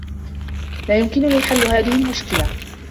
لا يمكنني حل هذه المشكلة.